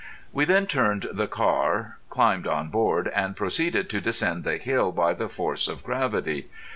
We then turned the car, climbed on board, and proceeded to descend the hill by the force of gravity.